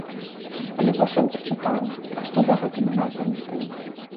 Але вось ён прачытаў, а што за гэтымі назвамі стаіць?